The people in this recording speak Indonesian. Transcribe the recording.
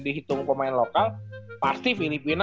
dihitung pemain lokal pasti filipina